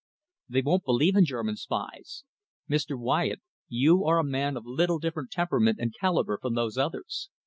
They won't believe in German spies. Mr. Wyatt, you are a man of a little different temperament and calibre from those others.